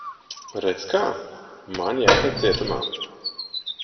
Redz, kā. Man jātiek cietumā.